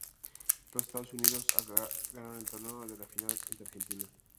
Los Estados Unidos ganaron el torneo en la final ante Argentina.